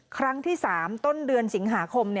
ครั้งที่๓ต้นเดือนสิงหาคม